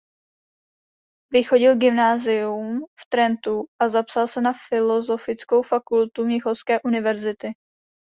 Vychodil gymnázium v Trentu a zapsal se na filozofickou fakultu Mnichovské univerzity.